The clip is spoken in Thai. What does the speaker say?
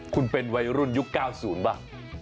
คุณเป็นวัยรุ่นยุค๙๐บ้าง